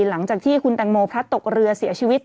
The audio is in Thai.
หลังจากที่คุณแตงโมพลัดตกเรือเสียชีวิต